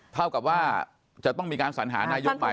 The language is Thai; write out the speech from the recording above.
เท่ากับว่าจะต้องมีการสัญหานายกใหม่